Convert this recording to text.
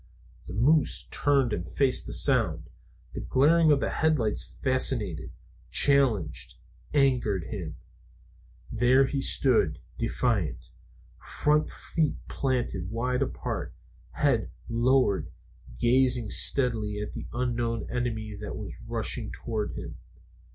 The moose turned and faced the sound. The glare of the headlight fascinated, challenged, angered him. There he stood defiant, front feet planted wide apart, head lowered, gazing steadily at the unknown enemy that was rushing toward him.